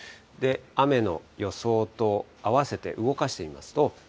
雨の予想と合わせて動かしてみますと。